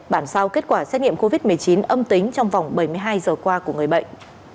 bản sao kết quả xét nghiệm covid một mươi chín âm tính trong vòng bảy mươi hai giờ qua của người bệnh